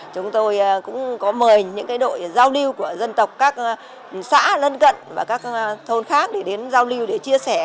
chúng tôi cũng có mời những đội giao lưu của dân tộc các xã lân cận và các thôn khác để đến giao lưu để chia sẻ